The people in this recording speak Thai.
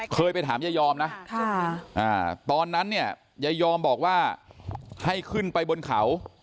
เคยไปถามยายอมนะตอนนั้นเนี่ยยายอมบอกว่าให้ขึ้นไปบนเขา